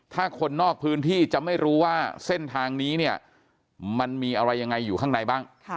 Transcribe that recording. ถ้าคนนอกพื้นที่จะไม่รู้ว่าเส้นทางนี้เนี่ยมันมีอะไรยังไงอยู่ข้างในบ้าง